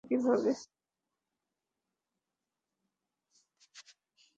তুমি না বললে, ও দেয়ালের ব্যাপারে, জানে কিভাবে?